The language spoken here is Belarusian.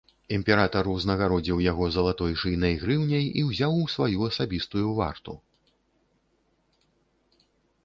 Імператар узнагародзіў яго залатой шыйнай грыўняй і ўзяў у сваю асабістую варту.